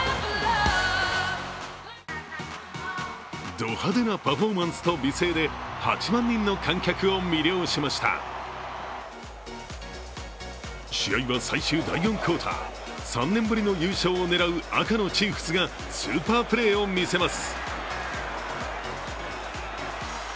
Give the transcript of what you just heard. ド派手なパフォーマンスと美声で８万人の観客を魅了しました試合は最終第４クオーター、３年ぶりの優勝を狙う赤のチーフスがスーパープレーを見せます。